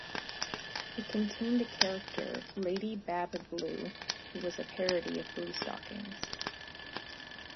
It contained a character Lady Bab Blue who was a parody of bluestockings.